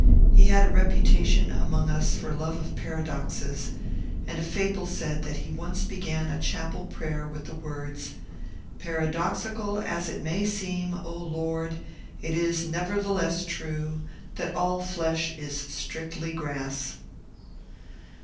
He had a reputation among us for love of paradoxes, and a fable said that he once began a chapel prayer with the words, *^ Paradoxical as it may seem, O Lord, it is nevertheless true, that all flesh is strictly grass